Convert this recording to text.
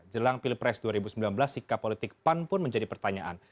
jelang pilpres dua ribu sembilan belas sikap politik pan pun menjadi pertanyaan